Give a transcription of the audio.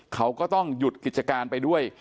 เขาก็ต้องหยุดกิจการไปด้วย